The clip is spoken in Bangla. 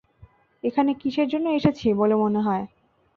এখানে কীসের জন্য এসেছি বলে মনে হয়?